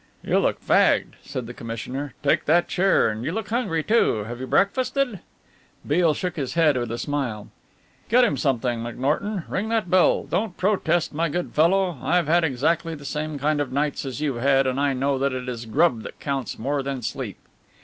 "You look fagged," said the commissioner, "take that chair and you look hungry, too. Have you breakfasted?" Beale shook his head with a smile. "Get him something, McNorton ring that bell. Don't protest, my good fellow I've had exactly the same kind of nights as you've had, and I know that it is grub that counts more than sleep."